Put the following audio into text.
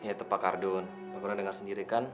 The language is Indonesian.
ya itu pak ardun lo pernah dengar sendiri kan